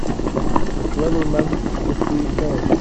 The clever men could be ignored.